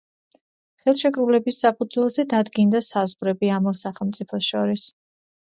ხელშეკრულების საფუძველზე დადგინდა საზღვრები ამ ორ სახელმწიფოს შორის.